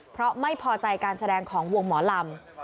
เพราะไม่พอใจการแสดงของวงหมอลำ